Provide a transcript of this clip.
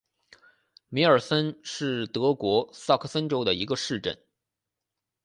米尔森是德国萨克森州的一个市镇。